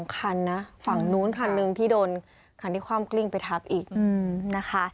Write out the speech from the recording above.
คันนะฝั่งนู้นคันหนึ่งที่โดนคันที่ความกลิ้งไปทับอีกนะคะ